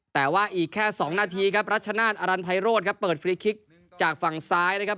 แต่ว่าอีกแค่๒นาทีครับรัชนาศอรันไพโรธครับเปิดฟรีคลิกจากฝั่งซ้ายนะครับ